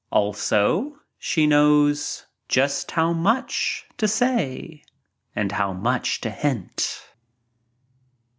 Also she knows just how much to say — and how much to hint.